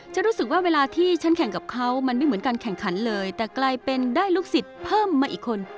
ฉันรู้สึกว่าเวลาที่ฉันแข่งกับเขามันไม่เหมือนการแข่งขันเลยแต่กลายเป็นได้ลูกศิษย์เพิ่มมาอีกคน